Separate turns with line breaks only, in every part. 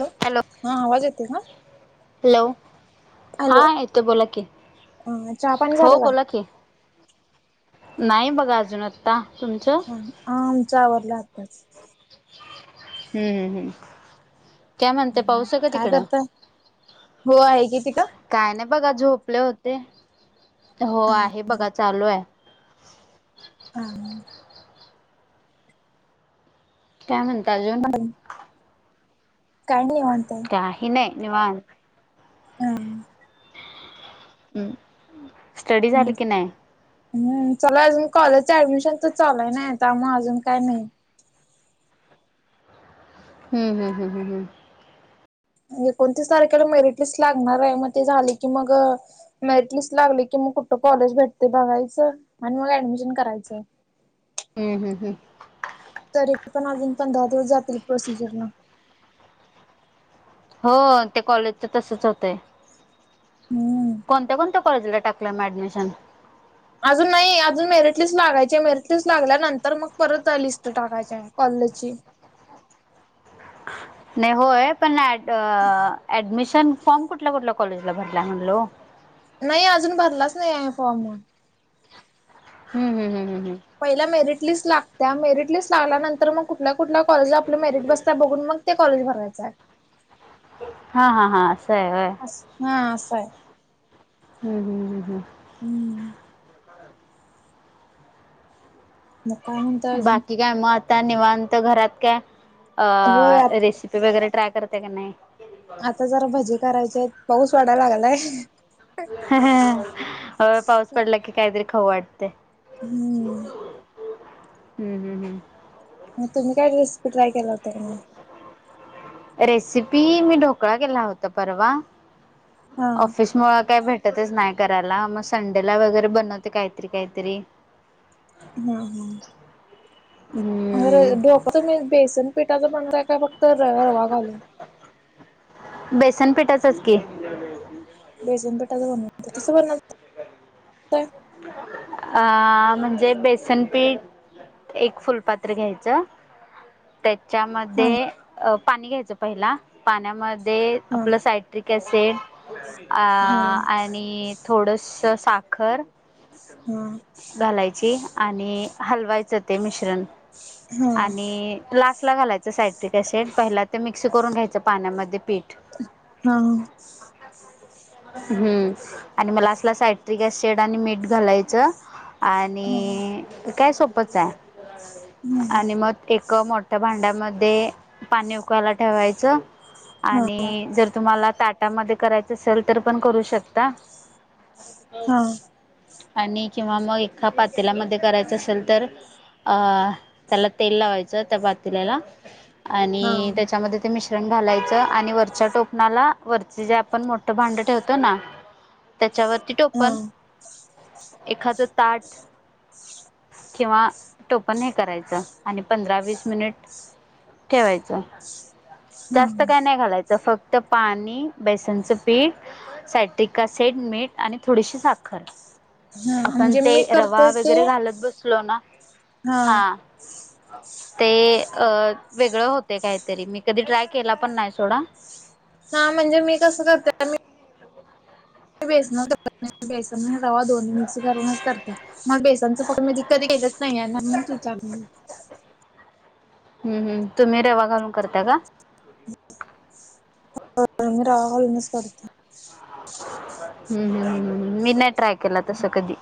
Hello, हा आवाज येतोय ना?
हॅलो, हा येतोय बोला की,
अ चहा पाणी झालं
हो
का
बोला की? नाही बघा अजून आत्ता तुमचं?
आ आमचं आवरलं आत्ताच.
हम्म हम्म. क्या म्हणत्या पाऊस आहे का
काय
तिकडं?
करता हो आहे किती का
काय नाही बघा झोपले होते, हो आहे बघा चालू आहे.
[unintelligible]
काय म्हणता अजून?
कांडी ओणतोय
काही नाही निवांत.
[unintelligible]
हम्म स्टडी झाली की नाही?
हम्म चला अजून कॉलेजच ऍडमिशनचच चालू आहे ना त्यामुळे अजून काय नाही.
हम्म हम्म हम्म हम्म.
एकोणतीस तारखेला मेरिट लिस्ट लागणार आहे म ते झाले की मग मेरीट लिस्ट लागली की म कुठं कॉलेज भेटते बघायचं आणि मग ऍडमिशन करायचं.
हम्म हम्म हम्म.
तरी पण अजून पण पंधरा दिवस जातील प्रोसिजरना.
हो ते कॉलेजच तसच होतंय.
हम्म.
कोणत्या-कोणत्या कॉलेजला टाकलंय म ऍडमिशन?
अजून नाही अजून मेरिट लिस्ट लागायची मेरिट लिस्ट लागल्यानंतर मग परत लिस्ट टाकायची आहे कॉलेजची.
नाही होय पण ऍड ऍडमिशन फॉर्म कुठल्या-कुठल्या कॉलेजला भरला म्हणलो?
नाही अजून भरलाच नाही आहे फॉर्म.
हम्म हम्म हम्म हम्म.
पहिल्या मेरिट लिस्ट लागत्या मेरिट-लिस्ट लागल्यानंतर मग कुठल्या-कुठल्या कॉलेजला आपल्या मेरिट बसत्या बघून मग ते कॉलेज भरायचं आहे.
हा हा हा असंय व्हय.
हा असा आहे.
हम्म हम्म हम्म.
हम्म. मग काय म्हणताय अजून?
क्याय म आता निवांत घरात काय
होय
अ रेसि पी वगैरे ट्राय करते का नाही?
आता जरा भजी करायचे आहेत पाऊस वाढाय लागलाय.
हो पाऊस पडला की काहीतरी खाऊ वाटते.
हम्म.
हम्म हम्म हम्म
म तुम्ही काय रेसिपी ट्राय केला होता का नाय?
रेसिपी मी ढोकळा केला होता परवा
हा
ऑफिस मुळा काय भेटतच नाही करायला म संडेला वगैरे बनवते काहीतरी काहीतरी.
हां हां.
हम्म
ढोकळा तुम्ही बेसन पीठाचा बनवता आहे काय फक्त र रवा घालून?
बेसन पीठाचच की. [unintelligible]
बेसन पिठाच बनवते कसं बनव
अ म्हणजे बेसनपीठ एक फुलपात्र घ्यायचं
हा
त्याच्यामध्ये पाणी घ्यायचं पहिला पाण्यामध्ये
हा
आपलं साइ ट्रिक ऍसिड आणि
हा हा
आ आणि थोडसा साखर
हां.
घालायची आणि हलवायचं ते मिश्रण.
[inaudible]
आणि लास्टला घालायचं सायट्रिक ऍसिड पहिला ते मिक्स करून घ्यायचं पाण्यामध्ये पीठ
हा हा
हम्म आणि लास्ट ला सायट्रिक ऍसिड आणि मीठ घालायचं.
हा
आणि काय सोपंच हाय आणि मग एक मोठ ठ्या भांड्यामध्ये पाणी उकळायला ठेवायचं आणि जर तुम्हाला ताट टा मध्ये करायच असेल तर पण करू शकता
हा
आणि किंवा मग एखा पातेलामध्ये करायचं असेल तर अ त्याला तेल लावायचं त्या पातेल्याला
हा
आणि त्याच्यामध्ये ते मिश्रण घालायचं आणि वरच्या टोपणाला वरचे जे आपण मोठ ठं भांड ठेवतो ना त्याच्यावरती
हा
टोपण एखादं ताट किंवा टोपन हे करायचं आणि पंधरा वीस मिनिट ठेवायचं जास्त काय नाही घालायचं फक्त पाणी बेसनचं पीठ साॅयट्रिक एसीड मीठ आणि थोडीशी साखर
हा
आपण
म्हणजे
ते
मी
रवा
करते ते
वगैरे घालत बसलो ना हा ते अ वेगळं होते काहीतरी मी कधी ट्राय केला पण नाही सोडा
हा म्हणजे मी कसं करते बेसन बेसन आणि रवा दोन्ही मिक्स करूनच करत्या मग बेसणचं पण मी कधी केलंच नाही ना म्हणून विचारलं
हम् हम् तुम्ही रवा घालून करताय का?
हो आम्ही रवा घालूनच करतोय
हम्म हम्म मी नाही ट्राय केला तसं कधी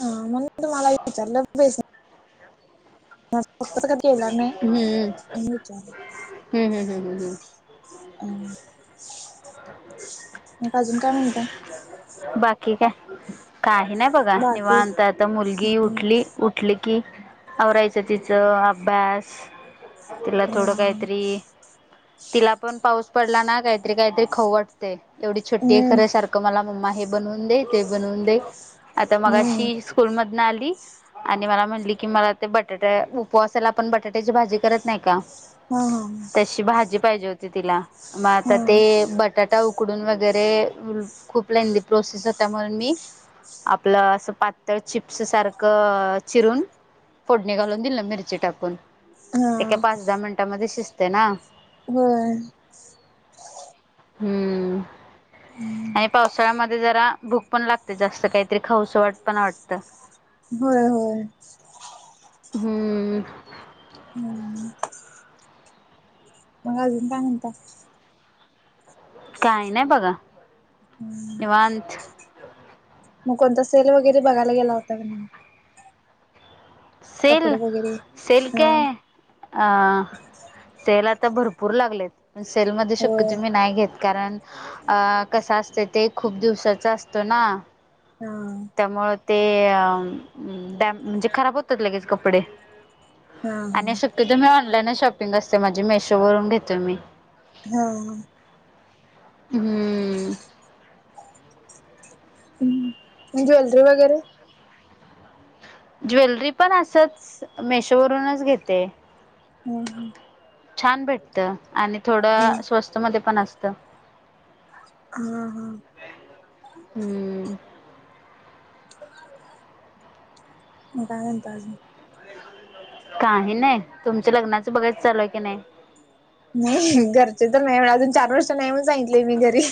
हा म्हणून मी तुम्हाला विचारलं बेसन [unintelligible] केला नाही म्हणून विचारलं
हम्म हम्म हम्म हम्म हम्म
मग अजून काय म्हणता?
बाकी काय काही नाही बघा
बाकी
निवांत आहे आता मुलगी उठली उठली की आवरायचं तिचं अभ्यास तिला थोडं
हम्म
काहीतरी तिला पण पाऊस पडला ना काहीतरी काहीतरी खाऊ वाटतंय एवढी छोटी आहे खर
हम्म
सारख क मला मम्मा हे बनवून दे ते बनवून दे आता मगाशी स्कूल मधनं आली आणि मला म्हणली की मला ते बटाट्या उपवासाला आपण बटाट्याची भाजी करत नाही का
हा हा
तशी भाजी पाहिजे होती तिला मग आता
हा
ते बट बटाटा उकडून वगैरे खूप लेंदी प्रोसेस होते म्हणून मी आपलं असं पातळ चिप्स सारखं चिरून फोडणी घालून दिलं मिरची टाकून ते काय
हा
पाच दहा मिनिटांमध्ये शिजते ना
बर
हम्म आणि
हम्म,
पावसाळा म ध्ये जरा भूक पण लागते जास्त काहीतरी खावंसं पण वाटतं
होय होय
हम्म हम
हम्म मग अजून काय म्हणता?
काय नाही बघा.
हम्मं
निवांत
मंग कोणंता सेल वगैरें बघायंला गेलां होतां कां
सेल
कपडे वगैरे
सेल
हा
कायं अं सेल आंता भरंपूर लागलेत सेलमध्यें
होय
शक्यतोवर मी नाहीं घेतं कारणं अं कसं असतं ते खूंप दिवसांचा असतो नां
हां
त्यामुळें ते अं म्हणजे खरांब होतंच लगेच कपडे
हा हा
आणि शक्यतो वरं मी ऑनलाईनच शॉपिंग असते माझी मेशो वरूंन घेतो मी
होव
हम्मं
ह्मेजे ज्वेलरी वगैरें
ज्वेलरी पणं असंच मेशो वरूंनच घेते
हम्मं
छान भेटतं आणि
ह
थोडं स्वस्तं मध्यें पणं असतं
हां हां
हम्म
म [unintelligible] काय तज
कांहीं नाहीं तुमच्यां लग्नाचं बघायचं चालूंय की नाहीं
नाहीं घरचे तरं नाहीं म्ह अजूंन चार वर्ष नाहीं म्हणूंन सांगितलंय ले मी घरी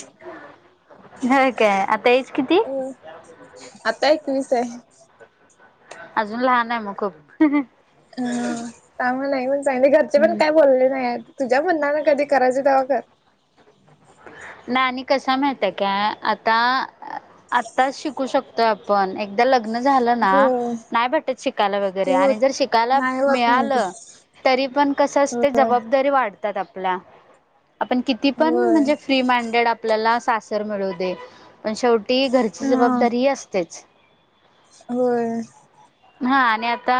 होय काय आता एज किती
हो आंता एकवीस आहे
अजूंन लहांन आहे मंग खूंप
हम्मं त्यामुळें नाहीं म्हणूंन सांगितलंय घरचे पणं
हम्म.
कायं बोलले नाहीं आ तुझ्यां मनानं कधीं करायचं तेव्हां करं
नाहीं आणि असं हांय माहित्येय कां आंता आंत्ताच शिकूं शकतोय आपणं एकदाचं लग्नं झालं नां
हो
नाहीं भेटतं शिकायंला वगैरें
ती
आणि
होत
जरं शिकायंला
नाही होत नाही ती
मिळालं तरी पणं कसं असते जबाबंदारी वाढतांत आपलीं आपणं किती पणं
होय
म्हणजे फ्री माइंडेड आपल्यांला सासर मिळवून दे पणं शेवटी घरची जबाबंदारी ही असतेचं
होयं
हां आणि आंता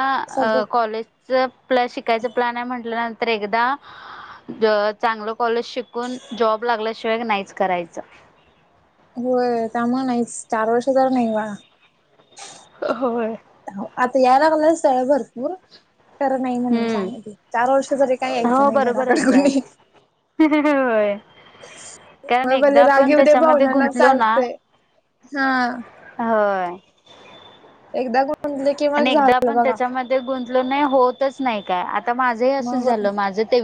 अं कॉलेज जरं क्प्शिकायंचा प्लन आहे म्हटल्यां नंतर एकदाचं चांगलं कॉलेज शिकूंन जॉब लागल्यांशिवाय नाहींच करायचं
होयं त्यामुळें नाहीं चार वर्ष तरं नाहींच करायचं
होय.
आंता यांय लागलंय स्थळं मंग बरं खरं नाहीं म्हणूंन
हम्म
सांगित चार वर्ष जरी कायं यायचं नाहीं घरांकडे कुणी
हंहं होयं कारणं
मग भले
एकदाचं
राग
आपणं
येऊ दे
त्यांच्यामध्ये
भावनांना
गुंतलो नां
चालतंय हा
होयं
एकदाचं गुंतलं की म्हटलं की मंग झालं बघां
गुंतल नाहीं होतंच नाहीं कायं आंता माझं असंच
मग
झालं माझं ते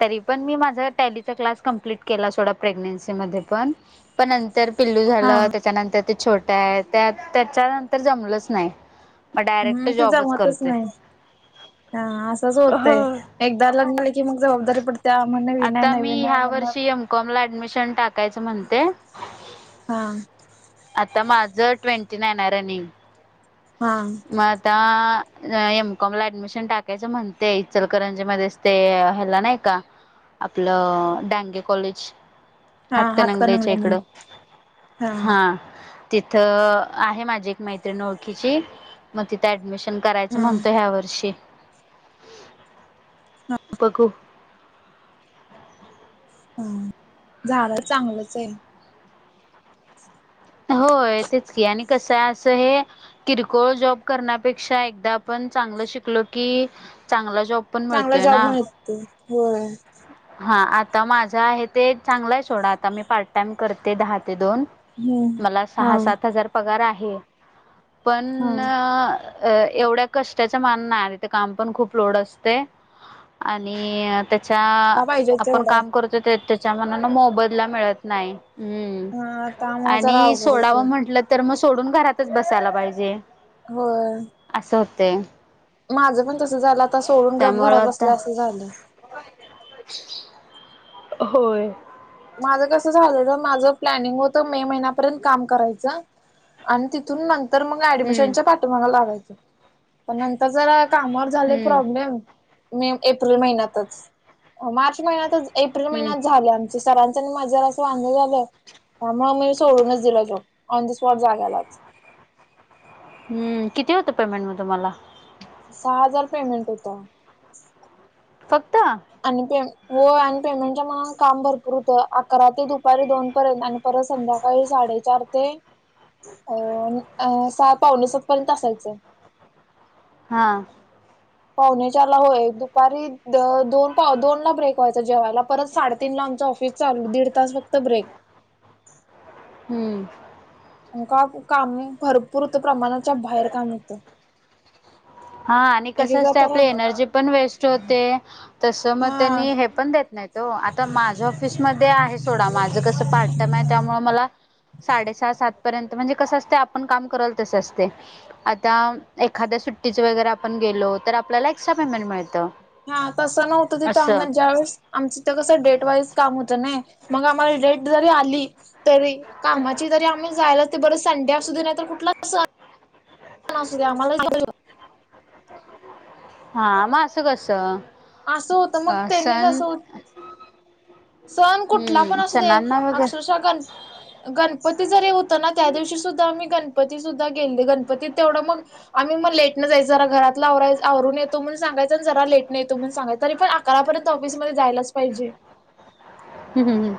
तरी पणं मी मांझा टॅलीचा क्लास कमप्लीट केलां सोंडा प्रेग्नेन्सी मध्यें पणं पणं नंतर पिल्लू
हा
झालं त्यांच्यानंतर ते छोट्या आहे त्यां त्यांच्यानंतर जमलंच नाहीं
हम्मं ते जमतंच नाहीं हां असंच होतंय एकदाचं लणाले की मंग जबाबदारी पडते आं म्हणतं नाय नव्हिन आहे नव्हिन आहे म्हणणांर
कॉम लां ऍडमिशन टाकायचं म्हणते
हा
आता माझ टवेंटी नाईन आहे रनिंग
हा
म आता एम कॉम ला ऍडमिशन टाकायचं म्हणते इचलकरंजीच मध्ये ते ह्याला नाही का आपलं डांगे कॉलेज
हा हात का
हातकणंगलेच्या
नंगला म्हण
इकडं हा. तिथं आहे माझी एक मैत्रिण ओळखीची म तिथं ऍडमिशन करायचं
हा
म्हणतो ह्या वर्षी. बघू
हा जारा चांगलंच आहे.
होय तेच की आणि कसं असं हे किरकोळ जॉब करण्यापेक्षा एकदा आपण चांगलं शिकलो की चांगला जॉब पण
चांगला
मिळतोय
जॉब
ना
मिळते होय.
हा आता माझं आहे ते चांगलं आहे शोडा आता मी पार्ट टाइम करते दहा ते दोन
हम्म
मला
हा
सहा सात हजार पगार आहे पण
हा
अ एवढ्या कष्टाच्या मान नाही तिथे काम पण खूप लोड असते. आणि त्या चा
पाहिजे
आपण
तेवढा
काम करतो ते त्याच्या मनाने मोबदला मिळत नाही. हम्म
हा त्यामुळे जरा
आणि
अवघड
सोडावं
होते
म्हटलं तर मग सोडून घरातच बसायला पाहिजे.
होय
असं होते.
माझं पण तसं झालं आता सोडून गप
त्यामुळं
घरात
आता
बसल्या असं झालं.
[unintelligible] होय.
माझं कसं झालेला माझं प्लॅनिंग होतं मे महिन्यापर्यंत काम करायचं आणि तिथून नं तर मग
हम्म
ऍडमिशनच्या पाठमागं लागायचं पण नंतर जरा कामावर झाले
हम्म
प्रॉब्लेम मे एप्रिल महिन्यातच मार्च महिन्यातच एप्रिल
हम्म
महिन्यात झाले आ चे सरांचं आणि माझं जरासं असं वांगल झालं. अ मी सोडूनच दिलो जॉब ऑन द स्पॉट जागालाच.
हम्म किती होतं पेमेंट म तुम्हाला?
सहा हजार पेमेंट होता.
फक्ता
आणि ते हो आणि पेमेंटचा मा काम भरपूर होतं अकरा ते दुपारी दोन पर्यंत आणि परत संध्याकाळी साडेचार ते अ नी अ सहा पावनेसात पर्यंत असायचं.
हां.
पावणेचारला होय दुपारी दो दोन पाव दोन ला ब्रेक व्हायचा जेवायला परत साडेतीन ला आमचं ऑफिस चालू दीड तास फक्त ब्रेक
हम्म.
का काम ही भरपूर होतो प्रमाणाच्या बाहेर काम होतं.
हा आणि कसं
एकेका
असते
तर
आपली एनर्जी पण वेस्ट होते तसं म
हा
त्यांनी हे पण देत नाही तो आता माझ्या ऑफिसमध्ये आहे सोडा माझं कसं पार्ट त्यामय त्यामुळं मला साडे सहा सात पर्यंत म्हणजे कसं असते आपण काम कराल तसं असते. आता एखाद्या सुट्टीच वगैरे आपण गेलो तर आपल्याला एक्स्ट्रा पेमेंट मिळतं.
हा तसं नव्हतं तिथं
असं
आम्हा ज्यावेळेस आमच इथं कसं डेट वाईज काम होतं नाही मग आम्हाला डेट जरी आली तरी कामाची जरी आम्ही जायलाच ते बर संडे असुदे नाहीत कुठला पण असुदे आम्हाला [unintelligible]
हा म असं कसं?
असं होतं मग
अ
त्यांनी
सण
कसं हुत सण कुठला पण
हम्म
असुदे
सणांना वगैरे
अक्षरशः गण गणपती जरी होतं ना त्या दिवशी सुद्धा मी गणपती सुद्धा गेले गणपतीत तेवढं मग आम्ही मग लेट न जायच जरा घरातल आवरून येतो म्हणून सांगायच आणि जरा लेटन येतो म्हण सांगायच तरी आणि पण आक करापर्यंत ऑफिसमध्ये जायलाच पाहिजे
हम् हम हम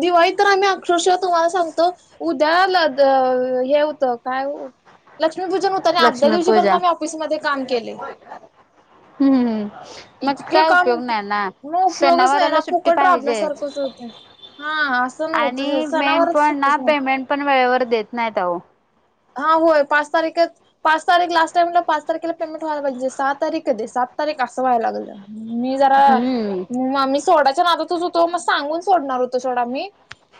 दिवाळीत तर आम्ही अक्षरशः तुम्हाला सांगतो उद्या ल ग हे होतं काय ओ लक्ष्मीपूजन होतं तरं मी आदल्या दिवशी पण
लक्ष्मीपूजा
मी ऑफिसमध्ये काम केलय
हम्म हम्म मग
इतके
काय
काम
उपयोग नाही ना
मग उपयोगच नाही ना
सणावाराला सुट्टी
फुकट
पाहिजेच
राबल्यासारखंच होतय हा असं नव्हतं तिथं
आणि मेन
सणावाराचं
पण ना
सुट्टीच नव्ह
पेमेंट पण वेळेवर देत नाहीत आओ
हा होय पाच तारिखचं पाच तारीख लास्ट म्हंटल पाच तारखेला पेमेंट व्हायला पाहिजे सहा तारीख कधी सात तारीख असं व्हायला लागलं मी जरा
हम्म.
मी ममी सोडायच्या नादातच होतो मग सांगून सोडणार होतो सोडा मी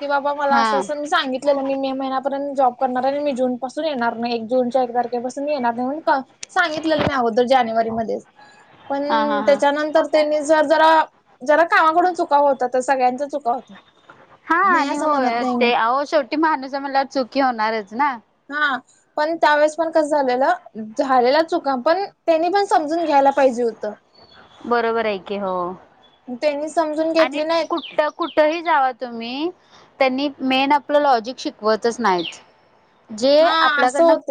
की बाबा मला
हा
असं असं मी सांगितलेलं मी मे महिन्यापर्यंत जॉब करणार आहे आणि मी जून पासून येणार नाही एक जूनच्या एक तारखेपासून मी येणार नाही सांगितलेलं मी अगोदर जानेवारी मध्येच
हा
पण
हा हा.
त्याच्यानंतर त्यांनी जर जरा जरा कामाकडून चुका होतातंच सगळ्यांच्याच चुका होतात
हा
नाही
आणि
असं म्हणत
होय
नाही मी
ते अहो शेवटी माणूस आहे म्हणल्यावर चुक ही होणारच ना
हा पण त्यावेेळेस पण कसं झालेलं झालेल्या चुका पण त्यांनी पण समजून घ्यायला पाहिजे होतं
बरोबर आहे कि हो
त्यांनी समजून
आणि
घेतली नाहीत
कुठं कुठही जावा तुम्ही त्यांनी मेन आपलं लॉजिक शिकवतच नाही जे
हा असं होत
आपल्याकडनं